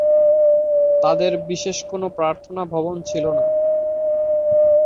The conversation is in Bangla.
তাদের বিশেষ কোন প্রার্থনা ভবন ছিলো না।